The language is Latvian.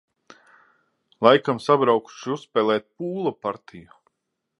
Laikam sabraukuši uzspēlēt pūla partiju.